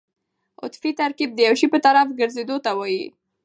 عطفي ترکیب د یو شي په طرف ګرځېدو ته وایي.